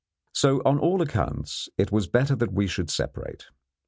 So on all accounts it was better that we should separate.